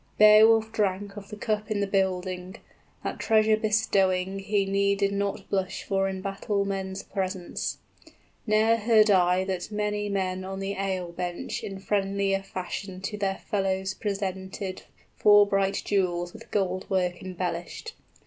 Beowulf drank of The cup in the building; that treasure bestowing 35 He needed not blush for in battle men's presence. {Four handsomer gifts were never presented.} Ne'er heard I that many men on the ale bench In friendlier fashion to their fellows presented Four bright jewels with gold work embellished.